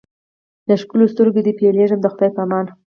له ښکلیو سترګو دي بېلېږمه د خدای په امان